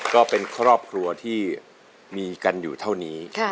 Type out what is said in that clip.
ก็เป็นครอบครัวที่มีกันอยู่เท่านี้